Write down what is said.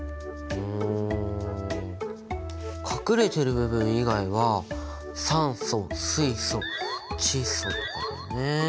うん隠れてる部分以外は酸素水素窒素とかだよね。